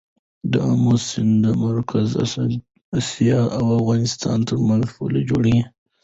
د امو سیند د مرکزي اسیا او افغانستان ترمنځ پوله جوړوي.